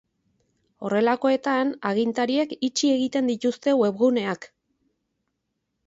Horrelakoetan, agintariek itxi egiten dituzte webguneak.